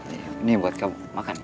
ini buat kamu makan